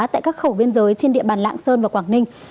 tại các khẩu biên giới trên địa bàn lạng sơn và quảng ninh